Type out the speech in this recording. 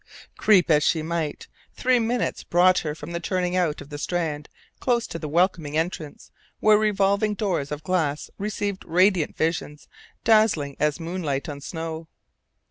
Creep as she might, three minutes' brought her from the turning out of the Strand close to the welcoming entrance where revolving doors of glass received radiant visions dazzling as moonlight on snow.